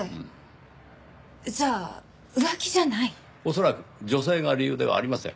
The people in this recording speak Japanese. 恐らく女性が理由ではありません。